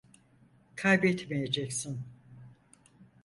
Kaybetmeyeceksin.